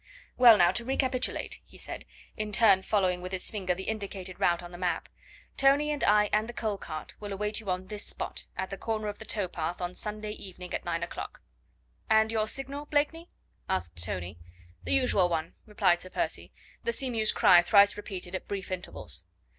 "Well, now, to recapitulate," he said, in turn following with his finger the indicated route on the map. "Tony and I and the coal cart will await you on this spot, at the corner of the towpath on Sunday evening at nine o'clock." "And your signal, Blakeney?" asked Tony. "The usual one," replied Sir Percy, "the seamew's cry thrice repeated at brief intervals.